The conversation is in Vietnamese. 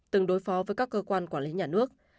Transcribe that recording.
từng đối phó với các cơ quan quản lý nhà nước